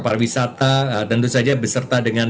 pariwisata tentu saja beserta dengan